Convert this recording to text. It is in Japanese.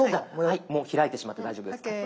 もう開いてしまって大丈夫です。ＯＫ！